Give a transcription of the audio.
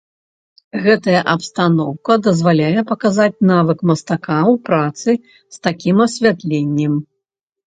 Гэтая абстаноўка дазваляе паказаць навык мастака ў працы з такім асвятленнем.